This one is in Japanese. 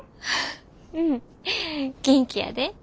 うん元気やで。